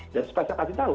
dan supaya saya kasih tau